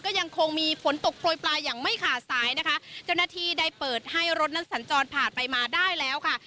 ก็ยังคงมีฝนตกโปรยปลายอย่างไม่ขาดสายนะคะเจ้าหน้าที่ได้เปิดให้รถนั้นสัญจรผ่านไปมาได้แล้วค่ะ